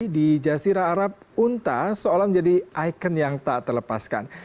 di jasira arab unta seolah menjadi ikon yang tak terlepaskan